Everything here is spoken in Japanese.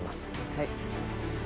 はい。